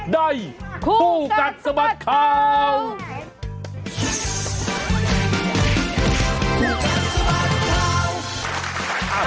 ได้ผู้กัดสบัติข่าว